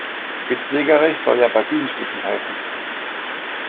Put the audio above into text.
Spitzwegerich soll ja bei Bienenstichen helfen.